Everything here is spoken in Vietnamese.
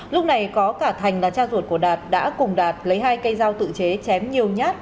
lúc này có cả thành là cha ruột của đạt đã cùng đạt lấy hai cây dao tự chế chém nhiều nhát